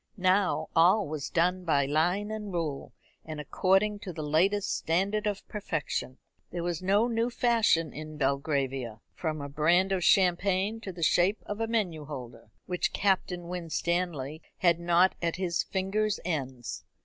Now all was done by line and rule, and according to the latest standard of perfection. There was no new fashion in Belgravia from a brand of champagne to the shape of a menu holder which Captain Winstanley had not at his finger's ends.